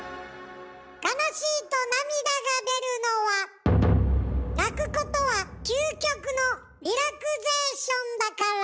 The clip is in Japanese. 悲しいと涙が出るのは泣くことは究極のリラクゼーションだから。